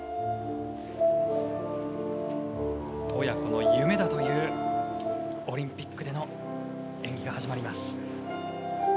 親子の夢だというオリンピックでの演技が始まります。